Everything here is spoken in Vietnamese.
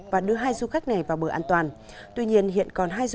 và đưa hai du khách này vào bờ an toàn